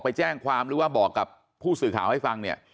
ไปแจ้งความหรือว่าบอกกับผู้สื่อข่าวให้ฟังเนี่ย